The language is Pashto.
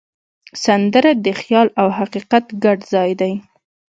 سندره د خیال او حقیقت ګډ ځای دی